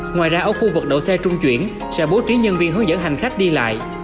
ngoài ra ở khu vực đậu xe trung chuyển sẽ bố trí nhân viên hướng dẫn hành khách đi lại